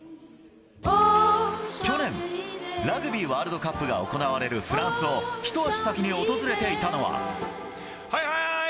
去年、ラグビーワールドカップが行われるフランスを一足先に訪れていたはいはーい！